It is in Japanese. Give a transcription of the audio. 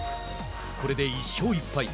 これで１勝１敗。